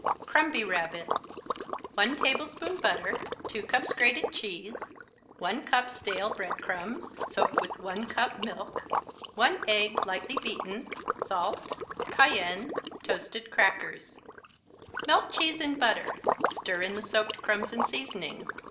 Crumby Rabbit 1 tablespoon butter 2 cups grated cheese 1 cup stale bread crumbs soaked with 1 cup milk 1 egg, lightly beaten Salt Cayenne Toasted crackers Melt cheese in butter, stir in the soaked crumbs and seasonings.